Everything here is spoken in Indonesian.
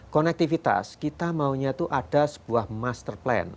konektivitas kita maunya itu ada sebuah master plan